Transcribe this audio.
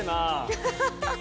アハハハハ！